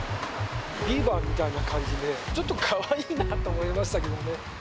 ビーバーみたいな感じで、ちょっとかわいいなと思いましたけどね。